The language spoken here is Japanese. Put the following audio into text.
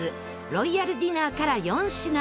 ロイヤルディナーから４品。